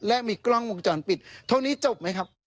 และมีกล้องวงจรปิดเท่านี้จบไหมครับ